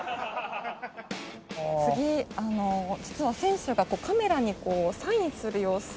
次あの実は選手がカメラにこうサインする様子。